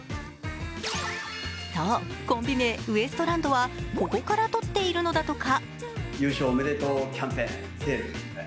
そう、コンビ名、ウエストランドはここからとっているのだとか。